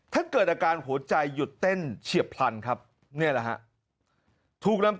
เกิดอาการหัวใจหยุดเต้นเฉียบพลันครับนี่แหละฮะถูกลำ